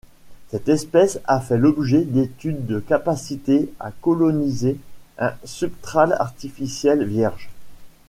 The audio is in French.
Cette espèce a fait l'objet d'études de capacité à coloniser un substrat artificiel vierge.